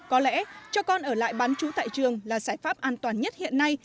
có lẽ cho con ở lại bán chú tại trường là giải pháp an toàn nhất hiện nay